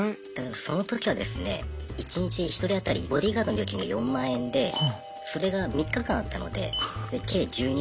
その時はですね一日１人当たりボディーガードの料金が４万円でそれが３日間あったので計１２万。